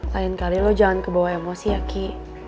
lain kali lo jangan kebawa emosi ya ki